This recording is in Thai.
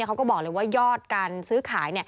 เขาก็บอกเลยว่ายอดการซื้อขาย